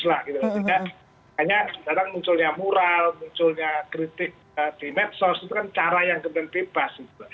hanya sekarang munculnya mural munculnya kritik di medsos itu kan cara yang kemudian bebas